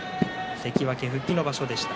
関脇復帰の場所でした。